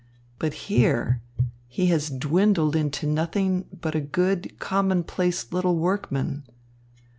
But here he has dwindled into nothing but a good, commonplace little workman.